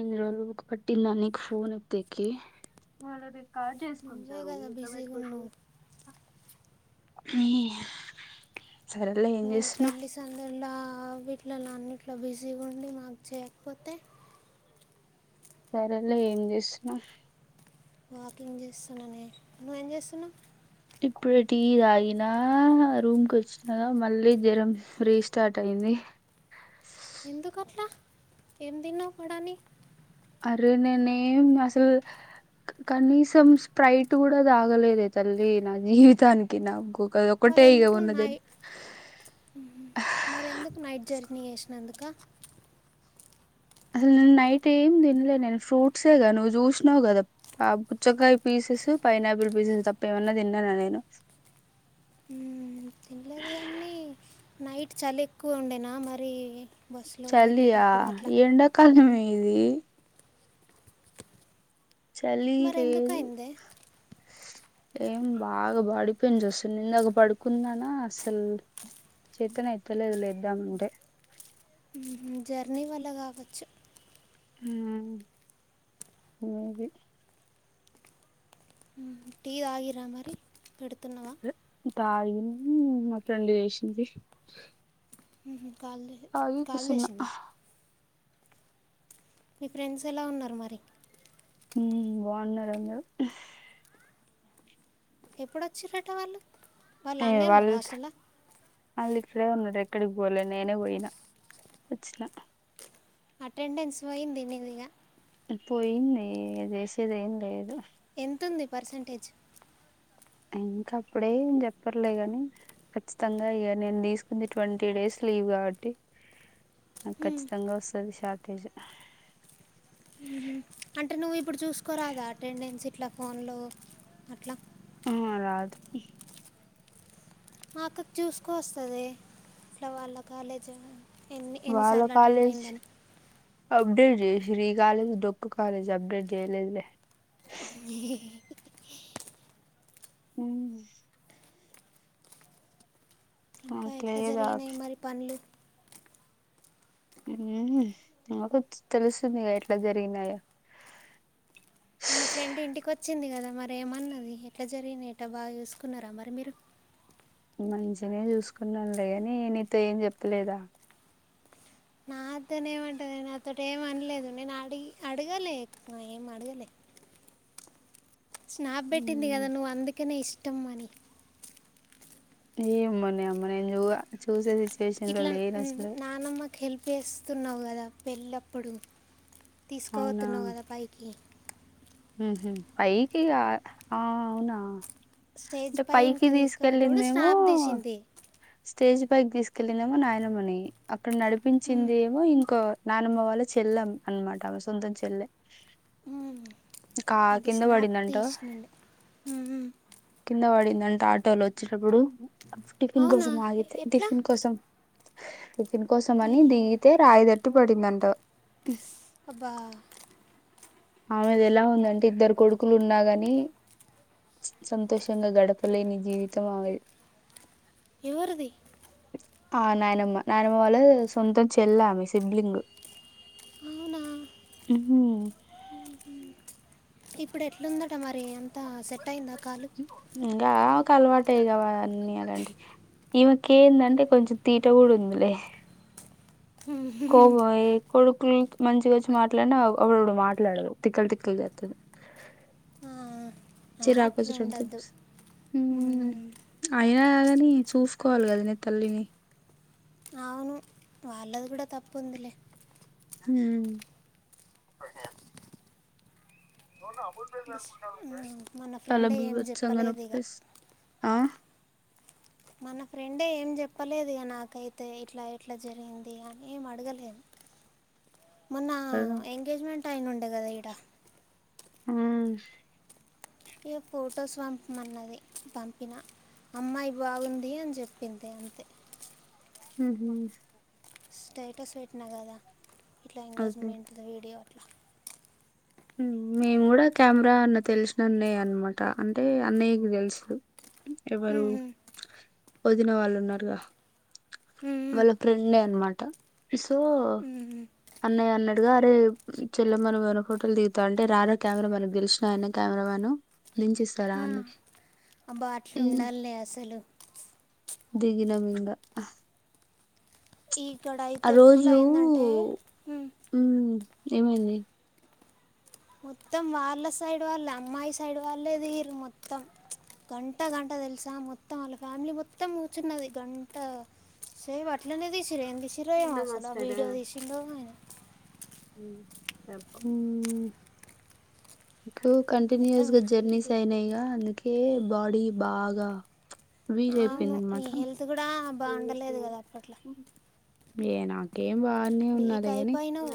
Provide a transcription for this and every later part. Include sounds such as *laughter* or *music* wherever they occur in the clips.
ఇన్ని రోజులకు పట్టిందా నీక్ ఫోన్ ఎత్తేకి కా నువ్వే జేసుకుంటరు మీ కదా ఇంట్ల బిజీగా పెట్టుకోచ్చు ఉన్నావు ఏ నువ్ పెళ్లి సందుల్లా అవిట్ల అన్నిట్ల బిజీగా ఉండి మాకు చేయకపోతే సరేలే ఏం చేస్తున్నవ్ వాకింగ్ చేస్తున్నానే నువ్ ఏం చేస్తున్నవ్ ఇప్పుడే టీ తాగినా రూమ్ కచ్చినా మళ్ళీ జరం రీస్టార్ట్ అయింది ఎందుకట్లా ఏం తిన్నావ్ పడాన్ని అరే నేన్ ఏం అసలు కనీసం స్ప్రైట్ కూడా తాగలేదే తల్లి నా జీవితానికి నాగు మరేందుకు నై మరేందుకు నైట్ జర్నీ చేసినందుకు కా అసలు నేను నైట్ ఏం తినలే నేను ఫ్రూట్సేగా నువ్వు చూసునవ్ కదా ఆ పుచ్చకాయ పీస్ పిసు పైనాపిల్ పిసు తప్ప ఏమన్నా తిన్నానా నేను మ్మ్ తినలేదు కానీ నైట్ చాలి ఎక్కువుండేనా మరి బస్సులో చలియా వెళ్ళేటప్పుడు అట్లా మ్మ్. ఎండాకాలమే ఇది చలి మరి ఎందుకు లేదు అయిందే ఏం బాగా బాడీ పెయిన్స్ వస్తునయ్ ఇందాక పడుకుంనానా అసలు చేతనా ఎత్త లేదులే ఇద్దాం అంటే మ్మ్, జర్నీ వల్ల కావచ్చు మ్మ్ ఆ టీ తాగిర్రా మరి, పెడు తాగినం మా ఫ్రెండ్ చేేషింది మ్మహ్ కాల్ని కాల్ చేషిందా మీ ఫ్రెండ్స్ ఎలా ఉన్నారు మరి మ్మ్ బాగున్నరు అందరూ ఎప్పుడోచ్చిరట వాళ్ళు వాళ్ళు ఏ అన్నే వాళ్ ఉన్నారు హాస్టల్లో వాళ్ళు ఇక్కడే ఉన్నరు ఎక్కడికి పోలే, నేనే పోయినా వచ్చినా అటెండెన్స్ పోయింది నీది ఇగా పోయినయ్ ఇగ జసేదేమ్ లేదు ఎంతుంది పర్సంటేజ్ ఇంకా అప్పుడేం చెప్పర్లే గాని ఖచ్చితంగా ఇగా నేన్ తీసుకుంది ట్వంటీ డేస్ లీవ్ కాబట్టి నాకు ఖచ్చితంగా వస్తాది షార్టేజ్ మ్మ్ అంటే నువ్వు ఇప్పుడు చూసుకోరాదా అటెండెన్స్ ఇట్లా ఫోన్లో అట్లా ఆ రాదు మా అక్కకి చూసుకో వస్తాదే ఇట్లా వాళ్ళ కాలేజ్ ఎన్ని వాళ్ళ ఎన్నిసార్లు అటెండ్ కాలేజ్ అయిందని అబ్డేటెడ్ జ్రీ కాలేజ్ డొక్కు కాలేజ్ అప్డేట్ చేయలేదులే ఏ మ్మ్ ఇంకా నాకు ఎట్లా లేదు ఆప్షన్ జరిగినయ్ మరి పనులు మ్మ్ నాకు తెలుస్తుంది గా ఎట్లా జరిగినాయో మీ ఫ్రెండ్ ఇంటికి వచ్చింది కదా మరి ఏమన్నది ఎట్లా జరిగినయ్ ఆటా బాగా చూసుకున్నారా మరి మీరు మంచిగనే చూసుకున్నాంలే గాని నీతో ఏం చెప్పలేదా నాతోనేమ్ మంటాది నాతోటి ఏం అనలేదు నేను అడి అడగలే ఏం అడగలే *inaudible* స్నాప్ పేట్టింది ఉమ్. కదా నువ్వు అందుకనే ఇష్టం అని ఏయ అమ్మనే అమ్మనే ఓ చూసేది ఇట్లా నానమ్మకి హెల్ప్ చేస్తున్నావు కదా పెళ్ళప్పుడు తీసుకా అవునా పోతున్నావు కదా పైకి పైకి గ ఆ అవునా స్టేజ్ అంటే పైకి పైనకి తీసుకోబెట్టేప్పుడు తీసుకెళ్ళిందేమో స్నాప్ తీసింది స్టేజ్ పైకి తీసుకెళ్లిందేమో నాయనమ్మని అక్కడ మ్, నడిపించింది ఏమో ఇంకో నానమ్మ వాళ్ళ చెల్లె అనమాట అమే సొంతం చెల్లె ఉ ఇంకా కింద పడిందంటవ మ్, మ్. కింద పడింది అంటా ఆటోలో వచ్చేటప్పుడు టిఫిన్ అవునా కోసం ఎ- ఆగితే ఎట్లా టిఫిన్ కోసం టిఫిన్ కోసం అని అయ్యో దిగితే రాయిదట్టి పడిందంట అబ్బా ఆమెది ఎలా ఉందంటే ఇద్దరు కొడుకులు ఉన్నా గాని సంతోషంగా గడపలేని జీవితం ఆమేది ఎవరిది ఆ నాయనమ్మ నాయనమ్మ వాళ్ సొంతం చెల్ల ఆమే సిబ్లింగ్ అవునా ఉమ్ ఇప్పుడు ఎట్లుందటా మరి అంత సెట్ అయిందా కాలు గామెకు అలవాటే ఇగా అవన్నీ అలాంటివి ఈమెకి ఎందంటే కొంచెం తీట కూడా ఉందిలే కోబాయి కొడుకులు మంచిగా వచ్చి మాట్లాడిన అప్పుడప్పుడు మాట్లాడది తిక్కలు తిక్కలు చేతది చిరాకు అట్లా చిరాకు ఉండద్దు తెప్పిస్ ఉమ్ అయినా గాదని చూసుకోవాలి కదా నే తల్లిని అవును వాళ్ళది కూడా తప్పు ఉందిలే ఉమ్ ఉ మన తల ఫ్రెండే ఏమి బీభత్సంగా చెప్పలేదు నొప్పి ఇగా లేస్ మన ఫ్రెండే ఏం చెప్పలేదుగా నాకైతే ఇట్లా ఇట్లా జరిగింది అని ఏం అడగలే *inaudible* మొన్న ఆ ఎంగేజ్మెంట్ ఐన్ ఉండే కదా ఈడ ఆ ఇగా ఫొటోస్ వంపుమన్నది పంపిన అమ్మాయి బాగుంది అని చెప్పింది అంతే ఉహు స్టేటస్ వెట్టినా కదా ఇట్లా అదే ఎంగేజ్మెంట్ వీడియో అట్లా మేము కూడా కెమెరా అన్న తెలిసిన అన్నయ్య అనమాట అంటే అన్నయ్యకి తెలుసు ఎవరు "ఉమ్, ఉమ్, వదిన వాళ్ళు ఉన్నారుగా ఉమ్, వాళ్ళ ఫ్రెండ్ ఏ అనమాట్ సో ఉమ్, ఉమ్, అన్నయ్య అన్నడుగా అరే చెల్లెమను వారో ఫోటోలు దిగుతా అంటే రార కెమెరా మనకు గెలిసినా ఐన కెమెరా మ్యాను లించు ఆ, ఇస్తారాన్నకి అబ్బా అట్లా ఉండాలి అసలు దిగిన మీంగా ఇక్కడ ఆ అయితే ఎట్లా రోజు అయిందంటే హ్మ్, ఉమ్ ఏమైంది మొత్తం వాళ్ళ సైడ్ వాళ్ళే అమ్మాయి సైడ్ వాళ్ళే దిగిర్రు మొత్తం గంట గంట తెలుసా మొత్తం వాళ్ళ ఫ్యామిలీ మొత్తం కూర్చున్నది గంట సేమ్ అట్లనే తీసిరు ఏం తీసిరో ఏమో అసలు ఆ వీడియో తీసిండో ఉ మొత్తం కంటిన్యూయస్ గా జర్నీస్ అయినాయి గా అందుకే బాడీ బాగా *unintelligible* అవును అయిపోయింది నీ అనమాట హెల్త్ కూడా బాగుండలేదు కదా అప్పట్లో ఏ నాకేం బాగానే వీక్ ఉన్నది గాని అయిపోయినావు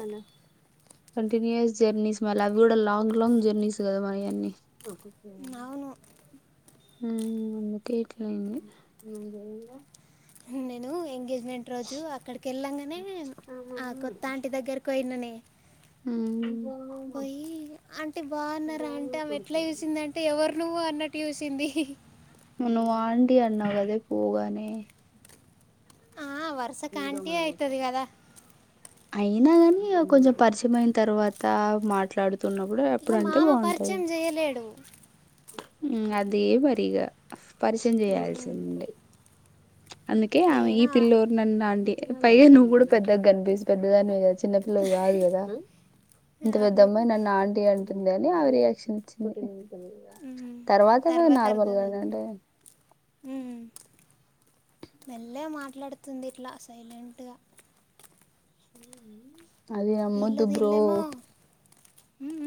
కంటిన్యూయస్ జెర్నీస్ వాళ్ళ అవి కూడ లాంగ్ లాంగ్ జెర్నీస్ కదా మయి అన్ని నవును ఉ అందుకే ఇట్ల అయ్యింది నేను ఎంగేజ్ మెంట్ రోజు అక్కడికి వెళ్ళంగానే ఆ కొత్త ఆంటీ దగ్గరకు వోయిననే ఉ పోయి అంటే బాగున్నార అంటే ఆమె ఎట్లా చూసింది అంటే ఎవరు నువ్వు అన్నట్టు చూసింది నువ్వు అంటీ అన్నవు కదే పోగానే ఆ వరుసకు అంటీ ఏ ఐతది కదా అయినా గని కొంచెం పరిచయం అయిన తర్వాత మాట్లా తున్నప్పుడు ఇక ఎప్పుడంటే మామ బాగుంటది పరిచయం చేయలేడు ఉ అదే *unintelligible* పరిచయం ఉమ్, చేయాల్సింది అందుకే ఆమె ఈ ఏడా పిల్లోరు నన్న అంటీ పైగ నువ్వు కూడ పెద్దగా కనిపిసు పెద్దదానివే గదా చిన్నపిల్లవు కాదు కద ఇంత పెద్ద అవును అమ్మాయి నన్ను ఆంటీ ఆన్ అంది అని ఆమె రియాక్షన్ ఇచ్చి *unintelligible* ఉమ్, తర్వాత మేము నార్మల్గ *unintelligible* మెల్లగ మాట్లాడుతుంది ఇట్లా సైలెంట్గా అది అమ్మదు వీళ్ళది బ్రో ఇల్లేమో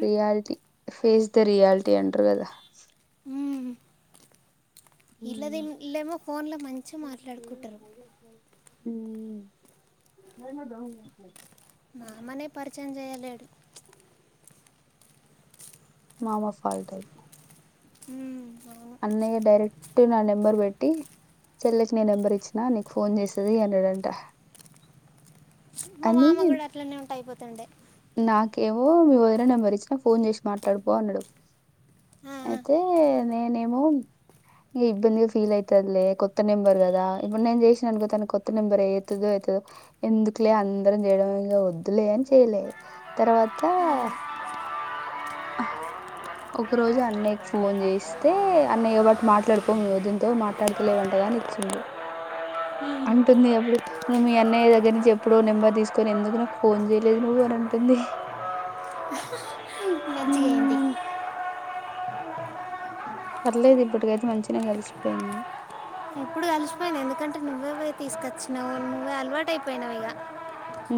రియాలిటీ ఫేస్ ద రియాలిటీ అంటరు కదా ఇల్లది ఇల్లేమో ఫోన్ లో మంచిగా మాట్లాడుకుంటారు ఉ మామనే పరిచయం చేయలేడు మామ ఫాల్ట్ ఆది హు అన్నయ్య డైరెక్ట్ నా నెంబర్ పెట్టి చెల్లకి నీ నెంబర్ ఇచ్చిన నీకు ఫోన్ చేస్తది *unintelligible* మా మామ అని కూడ అట్లనే ఉంటా అయిపోతుండే కేమో మీ వదిన నెంబర్ ఇచ్చిన ఫోన్ చేసి మాట్లాడుపో అన్నాడు ఆ, అయితే నేను నేమో ఇబ్బంది ఫీల్ అయితదిలే కొత్త నంబర్ గద ఇబుడు నేన్ జీషణనుకో అనుకో కొత్త నెంబర్ ఎందుకులే అందరం చేయడం ఇగ వద్దులే అని చేయలే తర్వాత ఆ, ఆ ఒక రోజు అన్నయ్యకి ఫోన్ చేస్తే అన్నయ్య బటు మాట్లాడిపో మీ ఒదినతో మాట్లాడుతలేవంట *unintelligible* ఉ అంటుంది ఎప్పుడు నువ్వు మీ అన్నయ్య దగ్గర నుంచి ఎప్పుడో నెంబర్ తీసుకొని ఎందుకు నాకు ఫోన్ చేయలేదు నువ్వు అని అంటుంది హూ మంచిగా అయింది పర్లేదు ఇప్పటికైతే మంచినే కలిసిపోయింది అవి తీసుకొచ్చినావు నువ్వే అలవాటు అయిపోయినావు ఇగ హు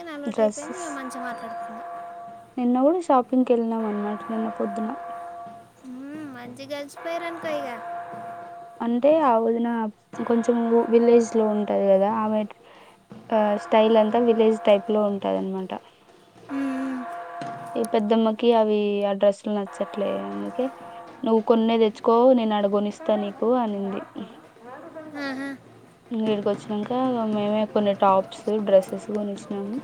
*unintelligible* ఇగ డ్రెస్సెస్ మంచిగా మాట్లాడుతున్నాను నిన్న కూడ షాపింగ్కి వెళ్ళినాం అనమాట నిన్న పొద్దున మంచిగాల్సిపోయిర్రను కొ ఇగ అంటే ఆ వదిన కొంచెం విలేజ్ లో ఉంటది కదా ఆమె ఆ స్టైల్ అంతా విలేజ్ టైప్ లో ఉంటదన్నమాట మ్మ్, ఈ పెద్దమ్మకి అవి ఆడ్రస్లు నచ్చట్లే అందుకే నువ్వు కొన్నే తెచ్చుకో నేను అడగొనిస్తా నీకు అనింది ఆహా. ఇంగ ఇడికొచ్చినంక మేమే కొన్ని టాప్స్ డ్రెస్సెస్ కొనిచ్చినాము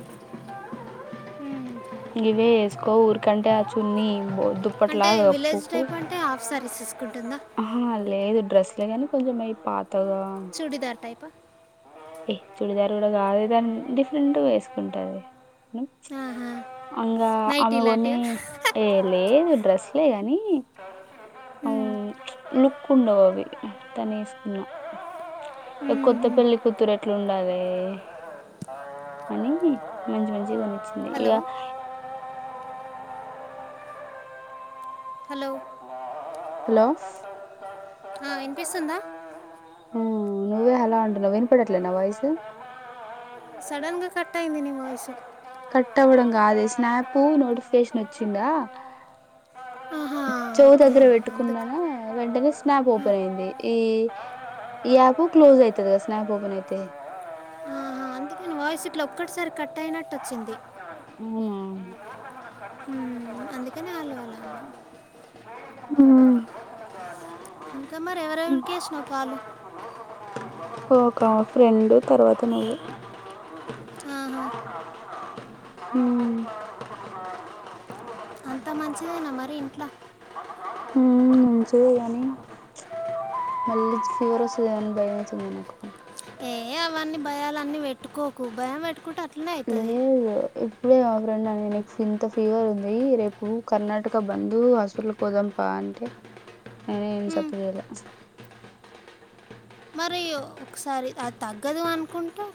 ఇవేస్కో ఊర్ కంటే ఆచున్ని బొద్దు అంటే అప్పట్లాగా విలేజ్ కప్పుకొకు టైప్ అంటే హాఫ్ సారీస్ తీసుకుంటుందా అహ లేదు డ్రెస్లే గాని కొంచమై పత్ చూడిదార్ టైపా ఏ చుడిదారు కూడా కాదు దాన్ డిఫరెంట్గా వేసుకుంటది ఆహా అంగా నైట్ ఆమె కొన్న ఇలాంటివా టే లే డ్రెస్లే గానీ అవు మ్మ్. లుక్ ఉండవు అవి తనేసుకున్న ఇగ కొత్త మ్మ్. పెళ్లి కూతురు ఎట్లుండవే అని మంచి మంచియి కొనిచ్చింది ఇగ హలో హలో హలో ఆ, వినిపిస్తుందా హ నువ్వే హలో అంటలేవు ఉంటు వినపడట్లే నా వాయిసు సడన్ గా కట్ అయింది ని వాయిసు కట్ అవ్వడం కాదే స్నాపు నోటిఫికేషన్ వచ్చిందా ఆహా చెవు ఓకే దగ్గర అందుకు పెట్టుకున్నానా వెంటనే స్నాప్ ఓపెన్ అయింది ఈ ఈ యాప్ క్లోజ్ అయితది కదా స్నాప్ ఓపెన్ అయితే ఆహా అందుకని వాయిస్ ఇట్లా ఒక్కటే సారి కట్ అయినట్టు వచ్చింది అవునా హుమ్ ఆ ఆ ఇంకా మరి ఎవరెవరికి చెసినవ్ కాలు ఫ్రెండు తర్వాత నువ్వు అహ మ్మ్ అంత మంచిదేనా మరి ఇంట్ల హుమ్ మంచిదే కానీ మళ్ళీ ఫీవర్ వస్తదేమొని భయంమయితుింది నాకు ఏ అవన్నీ భయలన్నీ పెట్టుకోకు భయం పెట్టుకుంటే అట్లనే అయితది దనే నీకు ఇంత ఫీవర్ ఉంది రేపు కర్ణాటక బంద్ హాస్పిటల్కి పోదాం పా అంటే నినే ఏం మ్మ్, సప్పుడు చేయలె మరి ఒకసారి అది తగ్గదు అనుకుంట